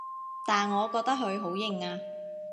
但我覺得佢好型啊